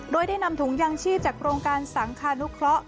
โดยได้นำถุงยางชีพจากโครงการสังคานุเคราะห